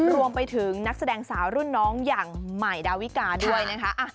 รวมไปถึงนักแสดงสาวรุ่นน้องอย่างใหม่ดาวิกาด้วยนะคะ